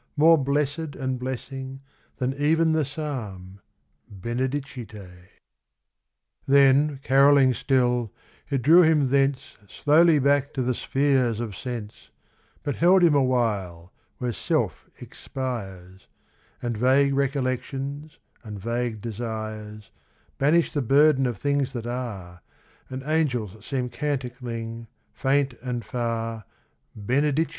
More blessed and blessing than even the psalm, Benedicite. X Then, carolling still, it drew him thence Slowly back to the spheres of sense, But held him awhile where self expires, BROTHER BENEDICT 149 And vague recollections and vague desires Banish the burden of things that are, And angels seem canticling, faint and far, Benedicite.